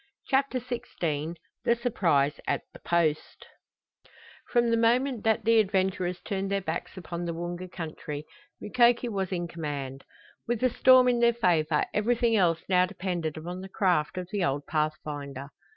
CHAPTER XVI THE SURPRISE AT THE POST From the moment that the adventurers turned their backs upon the Woonga country Mukoki was in command. With the storm in their favor everything else now depended upon the craft of the old pathfinder.